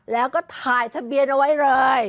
แล้วก็ถ่ายทะเบียนเอาไว้เลย